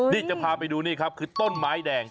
นี่จะพาไปดูนี่ครับคือต้นไม้แดง